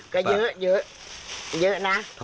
ก็เยอะเยอะนะ